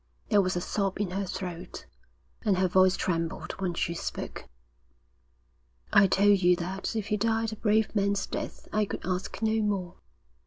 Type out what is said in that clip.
There was a sob in her throat, and her voice trembled when she spoke. 'I told you that if he died a brave man's death I could ask no more.'